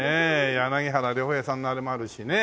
柳原良平さんのあれもあるしね。